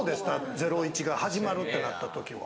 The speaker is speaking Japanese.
『ゼロイチ』が始まるってなったときは。